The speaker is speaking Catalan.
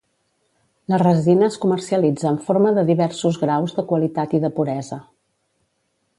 La resina es comercialitza en forma de diversos graus de qualitat i de puresa.